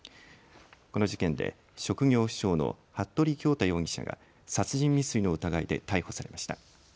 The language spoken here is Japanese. この事件で、職業不詳の服部恭太容疑者が殺人未遂の疑いで逮捕されました。